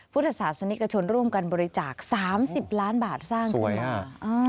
พุทธศาสนิกชนร่วมกันบริจาค๓๐ล้านบาทสร้างขึ้นมา